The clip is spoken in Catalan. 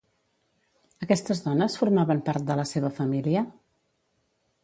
Aquestes dones formaven part de la seva família?